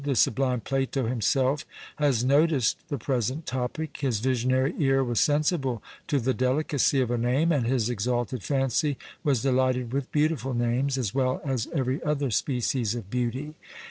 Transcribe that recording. The sublime Plato himself has noticed the present topic; his visionary ear was sensible to the delicacy of a name; and his exalted fancy was delighted with beautiful names, as well as every other species of beauty.